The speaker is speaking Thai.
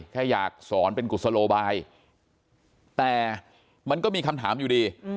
แค่อยากสอนเป็นกุศโลบายแต่มันก็มีคำถามอยู่ดี